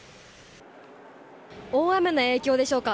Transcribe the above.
大雨の影響でしょうか。